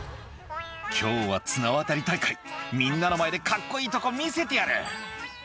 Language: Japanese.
「今日は綱渡り大会」「みんなの前でカッコいいとこ見せてやる」